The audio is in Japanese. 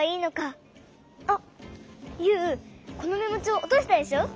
あっユウこのメモちょうおとしたでしょ？